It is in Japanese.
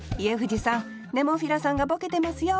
ネモフィラさんがボケてますよ。